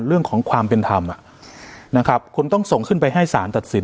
เรื่องของความเป็นธรรมนะครับคุณต้องส่งขึ้นไปให้สารตัดสิน